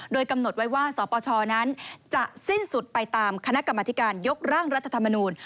โดยกำหนดไว้ว่าสปชนั้นจะสิ้นสุดไปตามคณะกรรมธิการยกร่างรัฐธรรมนูล